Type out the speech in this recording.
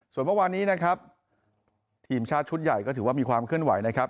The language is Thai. ส่วนเมื่อวานนี้นะครับทีมชาติชุดใหญ่ก็ถือว่ามีความเคลื่อนไหวนะครับ